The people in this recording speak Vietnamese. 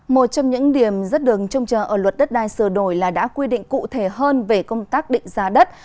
một trong những điểm rất đường trông chờ ở luật đất đai sửa đổi là đã quy định cụ thể hơn về công tác định giá đất